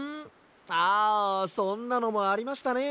ああそんなのもありましたね。